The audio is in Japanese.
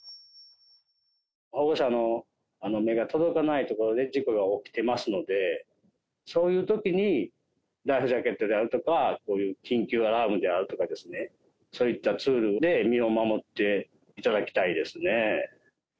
保護者の目が届かないところで事故が起きてますので、そういうときにライフジャケットであるとか、こういう緊急アラームであるとか、そういったツールで身を守っていただきたいですね。